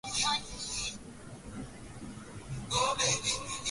watu wengine na makabila ya Eurasia Watu wanaozungumza